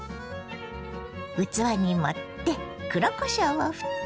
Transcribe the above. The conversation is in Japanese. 器に盛って黒こしょうをふってね。